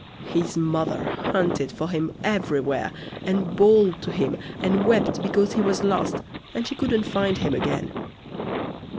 His mother hunted for him everywhere, and bawled to him, and wept because he was lost, and she couldn't find him again.